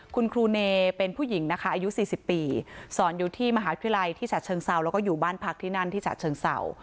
คุณครูเนเป็นผู้หญิงนะคะอายุ๔๐ปีสอนอยู่ที่มหาวิทยาลัยที่ฉะเชิงเซาแล้วก็อยู่บ้านพักที่นั่นที่ฉะเชิงเศร้า